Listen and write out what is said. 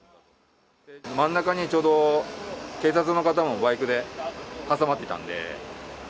真ん中に、ちょうど警察の方もバイクで挟まっていたんで。